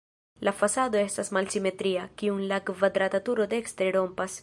La fasado estas malsimetria, kiun la kvadrata turo dekstre rompas.